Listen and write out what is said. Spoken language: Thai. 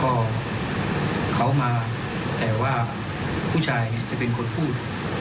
ก็เขามาแต่ว่าผู้ชายจะเป็นคนพูด